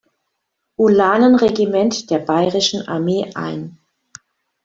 Ulanen-Regiment der Bayerischen Armee ein.